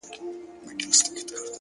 تمرکز ذهن له وېش څخه ژغوري’